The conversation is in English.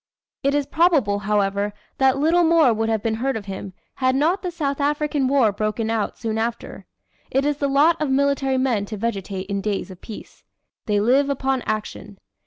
It is probable, however, that little more would have been heard of him, had not the South African War broken out, soon after. It is the lot of military men to vegetate in days of peace. They live upon action.